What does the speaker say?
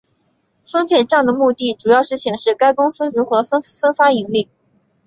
分配帐的目的主要是显示该公司如何分发盈利。